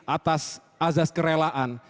atas azas kerelaan